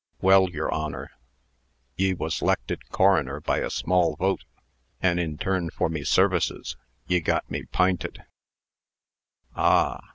Well, yer Honor, ye was 'lected coroner by a small vote; an', in turn for me services, ye got me 'p'inted " "Ah!